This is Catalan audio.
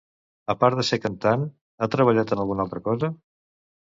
A part de ser cantant, ha treballat en alguna altra cosa?